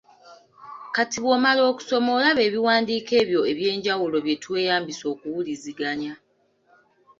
Kati bw'omala okusoma olaba ebiwandiiko ebyo eby’enjawulo bye tweyambisa okuwuliziganya.